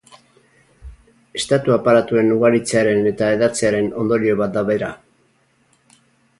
Estatu-aparatuen ugaritzearen eta hedatzearen ondorio bat da bera.